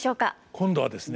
今度はですね